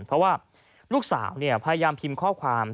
เพราะว่าลูกสาวพยายามพิมพ์ข้อความ